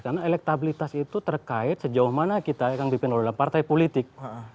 karena elektabilitas itu terkait sejauh mana kita akan dipimpin oleh partai politik